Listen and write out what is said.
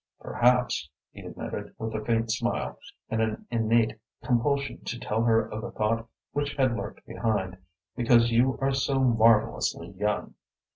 "Perhaps," he admitted, with a faint smile, and an innate compulsion to tell her of the thought which had lurked behind, "because you are so marvelously young."